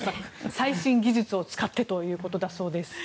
最新技術を使ってということだそうです。